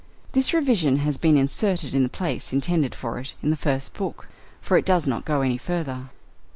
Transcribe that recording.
This revision has been inserted in the place intended for it in the first book (for it does not go any further).